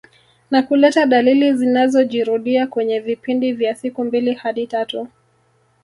Na kuleta dalili zinazojirudia kwenye vipindi vya siku mbili hadi tatu